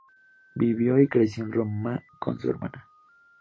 Vivió y creció en Roma, con su hermana.